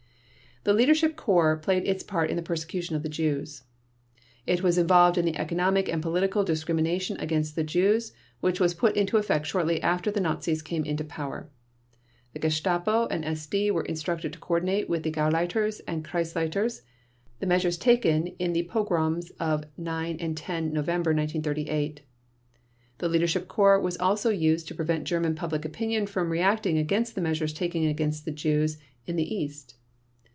The Leadership Corps played its part in the persecution of the Jews. It was involved in the economic and political discrimination against the Jews which was put into effect shortly after the Nazis came into power. The Gestapo and SD were instructed to coordinate with the Gauleiters and Kreisleiters the measures taken in the pogroms of 9 and 10 November 1938. The Leadership Corps was also used to prevent German public opinion from reacting against the measures taken against the Jews in the East.